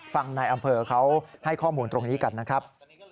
นายอำเภอเขาให้ข้อมูลตรงนี้กันนะครับ